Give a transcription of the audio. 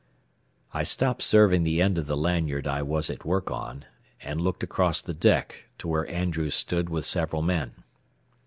I stopped serving the end of the lanyard I was at work on and looked across the deck to where Andrews stood with several men.